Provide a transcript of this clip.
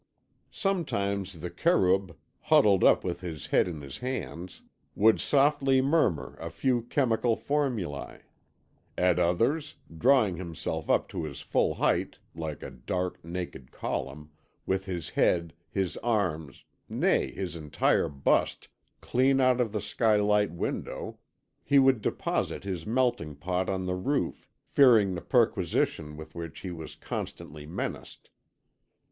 Sometimes the Kerûb, huddled up with his head in his hands, would softly murmur a few chemical formulæ; at others, drawing himself up to his full height, like a dark naked column, with his head, his arms, nay, his entire bust clean out of the sky light window, he would deposit his melting pot on the roof, fearing the perquisition with which he was constantly menaced.